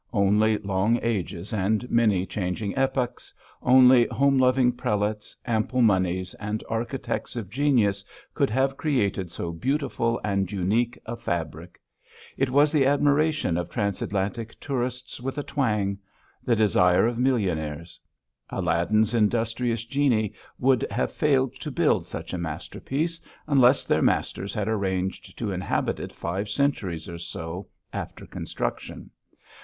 Only long ages and many changing epochs; only home loving prelates, ample monies, and architects of genius, could have created so beautiful and unique a fabric. It was the admiration of transatlantic tourists with a twang; the desire of millionaires. Aladdin's industrious genii would have failed to build such a masterpiece, unless their masters had arranged to inhabit it five centuries or so after construction.